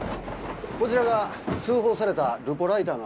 こちらが通報されたルポライターの浅見さんです。